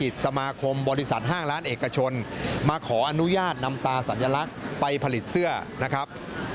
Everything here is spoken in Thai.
สมาคมบริษัทห้างร้านเอกชนมาขออนุญาตนำตาสัญลักษณ์ไปผลิตเสื้อนะครับ